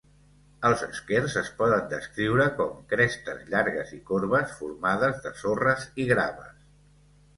Els eskers es poden descriure com crestes llargues i corbes formades de sorres i graves.